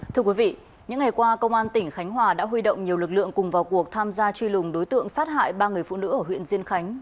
thưa quý vị những ngày qua công an tỉnh khánh hòa đã huy động nhiều lực lượng cùng vào cuộc tham gia truy lùng đối tượng sát hại ba người phụ nữ ở huyện diên khánh